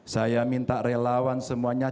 saya minta relawan semuanya